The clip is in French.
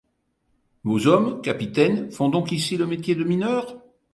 Vos hommes, capitaine, font donc ici le métier de mineurs ?